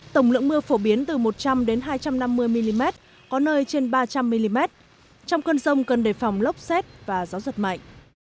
tổng lượng mưa phổ biến từ một trăm linh hai trăm năm mươi mm có nơi trên ba trăm linh mm trong cơn rông cần đề phòng lốc xét và gió giật mạnh